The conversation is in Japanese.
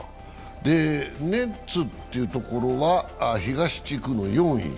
ネッツというところは東地区の４位。